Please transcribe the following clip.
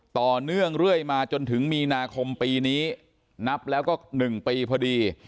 ต่อเนื่องเรื่อยมาจนถึงมีนาคมปีนี้นับแล้วก็๑ปีพอดี